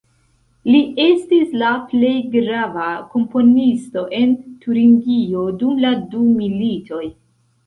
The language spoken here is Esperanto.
Li estis la plej grava komponisto en Turingio dum la du militoj.